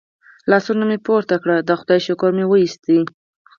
لاسونه مې پورته کړل د خدای شکر مو وایست.